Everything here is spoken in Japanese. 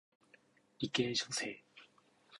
理系女性